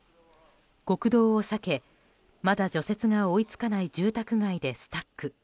国道を避け、まだ除雪が追い付かない住宅街でスタック。